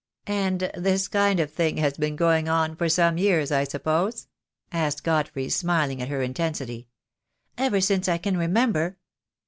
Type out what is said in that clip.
"And this kind of thing has been going on for some years, I suppose?" asked Godfrey, smiling at her intensity. "Ever since I can remember."